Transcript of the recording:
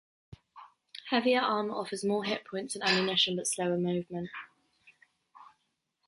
Heavier armor offers more hit points and ammunition but slower movement.